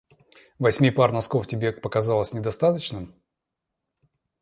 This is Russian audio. Восьми пар носков тебе показалось недостаточным?